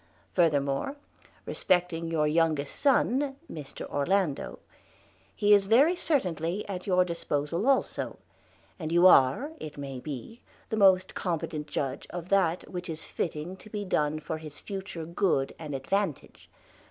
Furthermore, respecting youre youngest sonne, Mr Orlando, he is very certainelye at youre disposal also, and you are, it may be, the most competent judge of that which is fitting to bee done for his future goode and advantage.